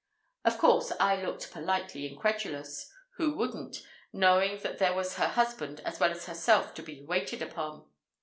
Of course I looked politely incredulous; who wouldn't, knowing that there was her husband as well as herself to be waited upon?